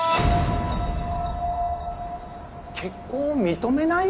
結婚を認めない！？